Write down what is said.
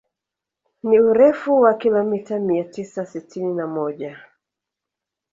Ni urefu wa kilomita mia tisa sitini na moja